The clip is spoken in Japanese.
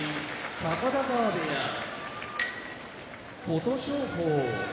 高田川部屋琴勝峰